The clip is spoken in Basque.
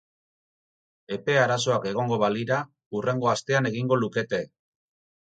Epe arazoak egongo balira, hurrengo astean egingo lukete.